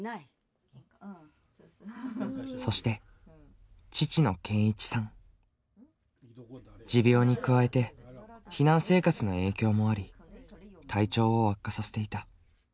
そして持病に加えて避難生活の影響もあり体調を悪化させていた。